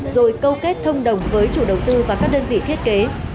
rồi câu kết thông đồng với chủ đầu tư và các đơn vị thiết kế